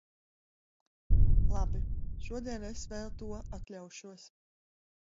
Labi, šodien es vēl to atļaušos.